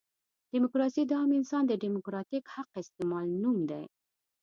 ډیموکراسي د عام انسان د ډیموکراتیک حق استعمال نوم دی.